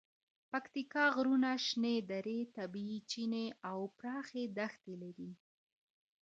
پکتیکا غرونه، شنې درې، طبیعي چینې او پراخې دښتې لري.